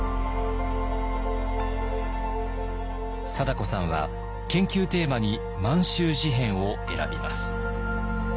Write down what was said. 貞子さんは研究テーマに「満州事変」を選びます。